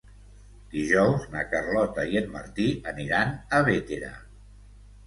Dijous na Carlota i en Martí aniran a Bétera.